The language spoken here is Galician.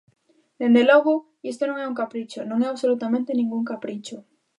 Dende logo, isto non é un capricho, non é absolutamente ningún capricho.